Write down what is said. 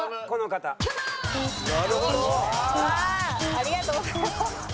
ありがとうございます。